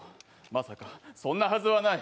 まさか、そんなはずはない。